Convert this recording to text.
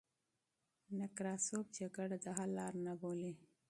نکراسوف جګړه د حل لار نه بولي.